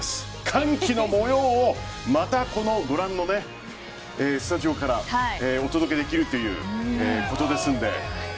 歓喜の模様をまた、ご覧のスタジオからお届けできるということですので。